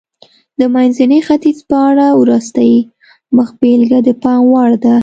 د منځني ختیځ په اړه وروستۍ مخبېلګه د پام وړ ده.